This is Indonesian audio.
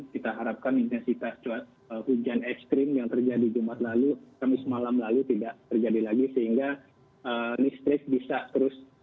kita harapkan intensitas hujan ekstrim yang terjadi jumat lalu kamis malam lalu tidak terjadi lagi sehingga listrik bisa terus